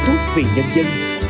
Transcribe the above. thúc vị nhân dân